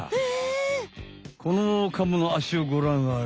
このカモのあしをごらんあれ。